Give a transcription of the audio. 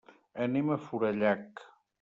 Anem a Forallac.